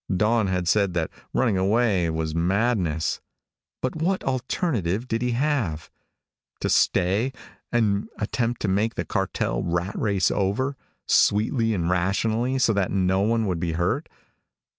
Dawn had said that running away was madness. But what alternative did he have? To stay, and attempt to make the cartel rat race over, sweetly and rationally so that no one would be hurt?